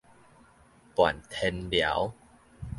伴天聊